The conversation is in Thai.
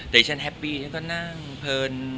แต่ดิฉันแฮปปี้ฉันก็นั่งเพลิน